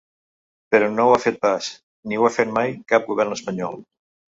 Però no ho ha fet pas, ni ho ha fet mai cap govern espanyol.